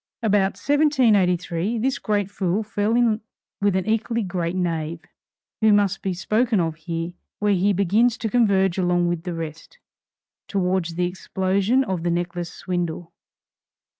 About 1783, this great fool fell in with an equally great knave, who must be spoken of here, where he begins to converge along with the rest, towards the explosion of the necklace swindle.